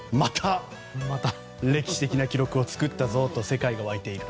また歴史的な記録を作ったぞと世界が沸いていると。